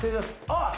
あっ！